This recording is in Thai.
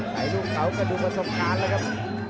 ลูกเขาก็ดูประสบการณ์แล้วครับ